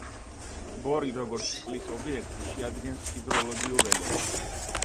ტბორი როგორც წყლის ობიექტი, შეადგენს ჰიდროლოგიურ ელემენტს.